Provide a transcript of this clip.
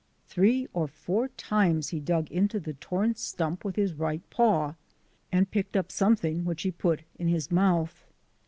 Three or four times he dug into the torn stump with his right paw and picked up something which he put in his mouth.